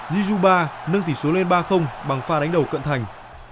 giê xu ba nâng tỷ số lên ba bằng pha đánh đầu cận thành